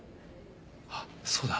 あっそうだ。